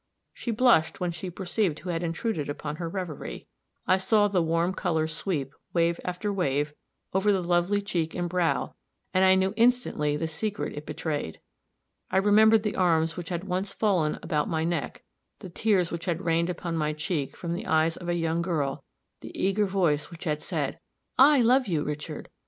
She blushed when she perceived who had intruded upon her reverie; I saw the warm color sweep, wave after wave, over the lovely cheek and brow, and I knew instantly the secret it betrayed. I remembered the arms which had once fallen about my neck, the tears which had rained upon my cheek from the eyes of a young girl, the eager voice which had said, "I love you Richard!